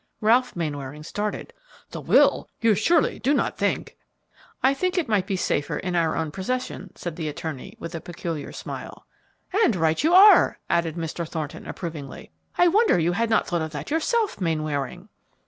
Ralph Mainwaring started. "The will? You surely do not think " "I think it might be safer in our own possession," said the attorney, with a peculiar smile. "And right you are!" added Mr. Thornton, approvingly. "I wonder you had not thought of that yourself, Mainwaring."